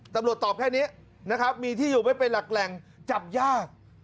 ตำรวจตอบแค่นี้นะครับมีที่อยู่ไม่เป็นหลักแหล่งจับยาก